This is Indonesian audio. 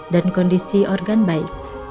dan kondisi organ baik